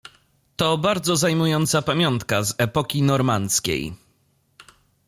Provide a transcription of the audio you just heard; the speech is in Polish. "To bardzo zajmująca pamiątka z epoki Normandzkiej."